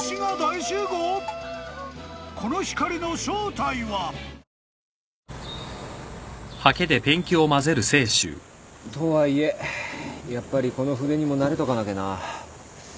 では失礼して。とはいえやっぱりこの筆にも慣れとかなきゃな。